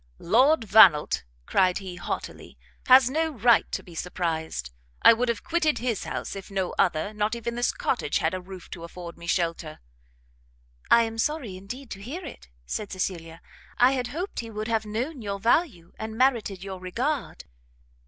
"Lord Vannelt," cried he, haughtily, "has no right to be surprised. I would have quitted his house, if no other, not even this cottage, had a roof to afford me shelter!" "I am sorry, indeed, to hear it," said Cecilia; "I had hoped he would have known your value, and merited your regard."